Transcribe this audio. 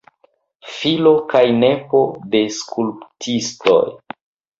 Filo kaj nepo de skulptistoj.